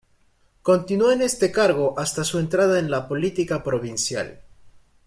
Continuó en este cargo hasta su entrada en la política provincial.